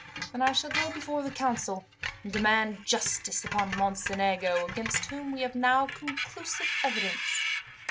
Then I shall go before the council, and demand justice upon Mocenigo, against whom we have now conclusive evidence.